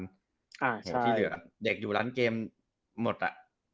เหตุที่เหลือเด็กอยู่ร้านเกมหมดอ่ะ